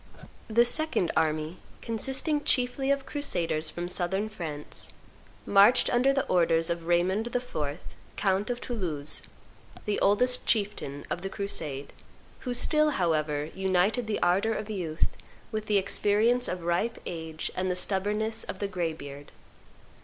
The second army, consisting chiefly of crusaders from Southern France, marched under the orders of Raymond IV., count of Toulouse, the oldest chieftain of the crusade, who still, however, united the ardor of youth with the experience of ripe age and the stubbornness of the graybeard.